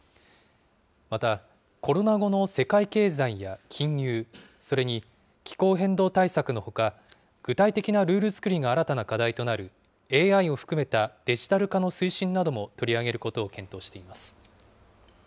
またコロナ後の世界経済や金融、それに気候変動対策のほか、具体的なルール作りが新たな課題となるＡＩを含めたデジタル化の推進なども取り上げることを検討しています。